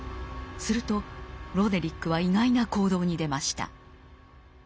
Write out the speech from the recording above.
するとロデリックは意外な行動に出ました。